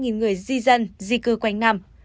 khoảng hai người di dân di cư quanh năm